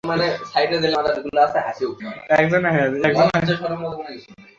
চিন্তা করবেন না!